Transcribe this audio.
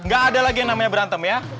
gak ada lagi yang namanya berantem ya